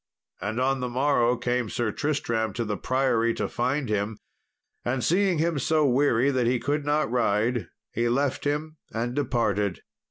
And on the morrow came Sir Tristram to the priory to find him, and seeing him so weary that he could not ride, he left him, and departed.